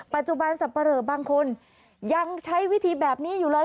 ปัจจุบันสับปะเหลอบางคนยังใช้วิธีแบบนี้อยู่เลย